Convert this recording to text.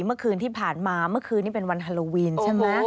เมื่อคืนที่ผ่านมาเมื่อคืนนี้เป็นวันฮาโลวีนใช่ไหม